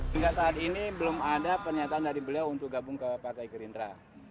hingga saat ini belum ada pernyataan dari beliau untuk gabung ke partai gerindra